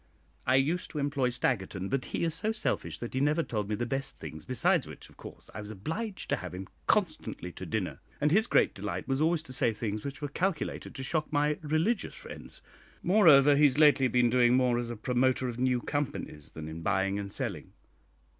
I used to employ Staggerton, but he is so selfish that he never told me the best things; besides which, of course, I was obliged to have him constantly to dinner; and his great delight was always to say things which were calculated to shock my religious friends. Moreover, he has lately been doing more as a promoter of new companies than in buying and selling.